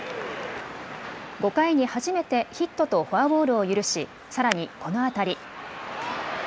５回に初めてヒットとフォアボールを許し、さらにこの当たり。